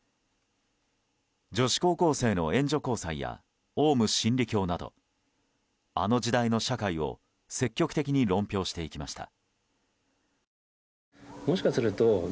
女子高校生の援助交際やオウム真理教などあの時代の社会を積極的に論評していきました。